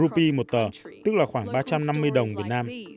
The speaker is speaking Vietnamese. rupee một tờ tức là khoảng ba trăm năm mươi đồng việt nam